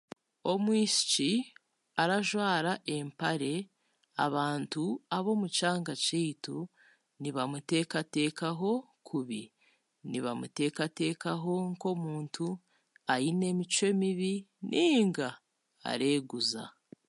Omwishiki arajwara empare abaishiki b'omu kyanga kyaitu nibamuteekateekaho kubi nibamuteekateekaho nk'omuntu aine emicwe mibi nainga areeguza